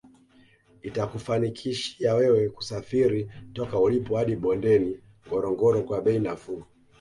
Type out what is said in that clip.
Itakufanikishia wewe kusafiri toka ulipo hadi bondeni Ngorongoro kwa bei nafuu